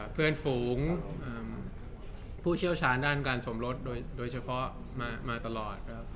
เพื่อนฝูงผู้เชี่ยวชาญด้านการสมรสโดยเฉพาะมาตลอด